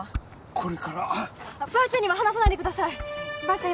これからばあちゃんには話さないでくださいばあちゃん